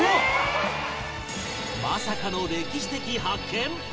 まさかの歴史的発見？